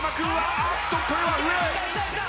あっとこれは上。